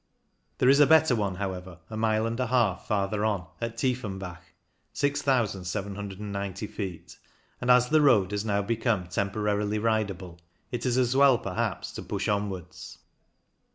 There is a better one, however, a mile and a half farther on, at Tiefenbach (6,790 ft), and as the road has now become temporarily ridable, it is as well, perhaps, to push onwards.